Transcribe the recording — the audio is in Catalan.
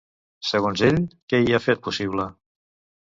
Segons ell, què hi ha fet possible?